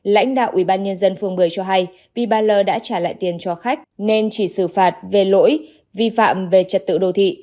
lãnh đạo ubnd phường một mươi cho hay vì bà l đã trả lại tiền cho khách nên chỉ xử phạt về lỗi vi phạm về trật tự đồ thị